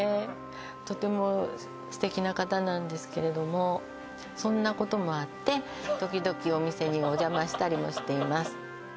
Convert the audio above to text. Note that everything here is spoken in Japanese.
とても素敵な方なんですけれどもそんなこともあって時々お店におじゃましたりもしています